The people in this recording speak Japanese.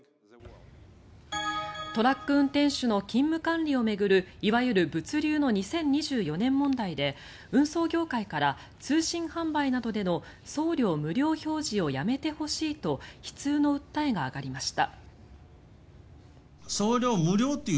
トラック運転手の勤務管理を巡るいわゆる物流の２０２４年問題で運送業界から通信販売などでの送料無料表示をやめてほしいと悲痛の訴えが上がりました。